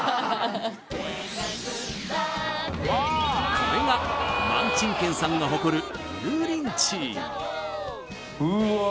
これが萬珍軒さんが誇るうわっ！